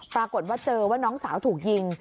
ปรากฏว่าเจอว่าน้องสาวถูกยิง